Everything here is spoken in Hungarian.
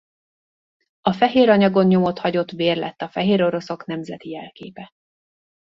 A fehér anyagon nyomot hagyott vér lett a fehéroroszok nemzeti jelképe.